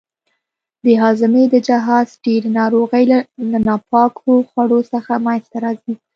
د هاضمې د جهاز ډېرې ناروغۍ له ناپاکو خوړو څخه منځته راځي.